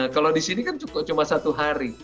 kalau di sini kan cukup cuma satu hari